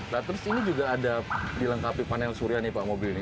nah terus ini juga ada dilengkapi panel surya nih pak mobil ini